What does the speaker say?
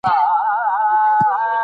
مشرانو وویل چې په یووالي کې لوی ځواک دی.